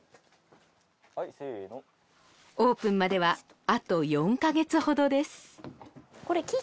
はいせーのオープンまではあと４カ月ほどです